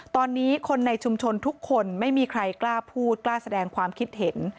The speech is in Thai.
ตอนนี้คนในชุมชนทุกคนไม่มีใครกล้าพูดกล้าแสดงความคิดเห็น